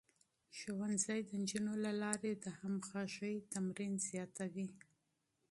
ښوونځی د نجونو له لارې د همغږۍ تمرين زياتوي.